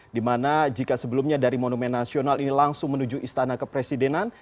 dimana jika sebelumnya dari monumen nasional ini langsung menuju istana kepresidenan